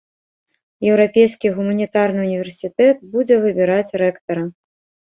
Еўрапейскі гуманітарны ўніверсітэт будзе выбіраць рэктара.